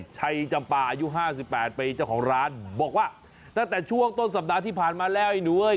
จำปาอายุ๕๘ปีเจ้าของร้านบอกว่าตั้งแต่ช่วงต้นสัปดาห์ที่ผ่านมาแล้วไอ้หนูเอ้ย